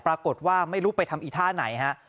ปรากฏว่าไม่รู้ไปทำอีท่าไหนฮะ